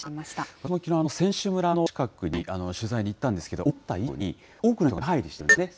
私もきのう、選手村の近くに取材に行ったんですけれども、思った以上に、多くの人が出はいりしてるんですよね。